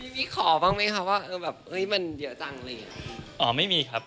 มีขอบ้างมั้ยครับว่ามันเยอะจังเลย